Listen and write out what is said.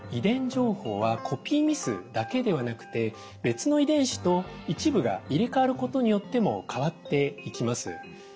情報はコピーミスだけではなくて別の遺伝子と一部が入れ替わることによっても変わっていきます。